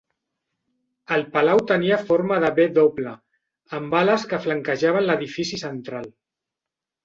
El palau tenia forma de "W", amb ales que flanquejaven l'edifici central.